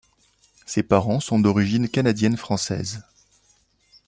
Ses parents sont d'origine canadienne-française.